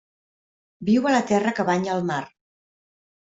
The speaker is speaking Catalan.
Viu a la terra que banya el mar.